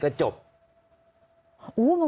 ก็แกว้งขึ้น